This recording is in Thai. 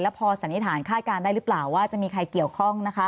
พอสันนิษฐานคาดการณ์ได้หรือเปล่าว่าจะมีใครเกี่ยวข้องนะคะ